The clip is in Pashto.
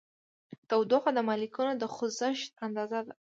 تودوخه د مالیکولونو د خوځښت اندازه ده.